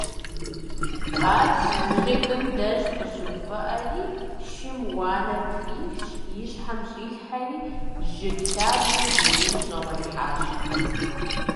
Ар жыгым деж къыщыувыӀэри, шым уанэр трихщ, и щхьэм щӀилъхьэри, жыг лъабжьэм жеину щӀэгъуэлъхьащ.